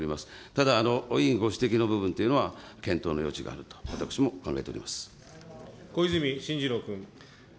ただ委員ご指摘の部分というのは検討の余地があると、私も考えて小泉進次郎君。